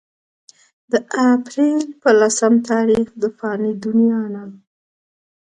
د اپريل پۀ لسم تاريخ د فاني دنيا نه